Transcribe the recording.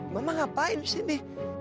mama ngapain disini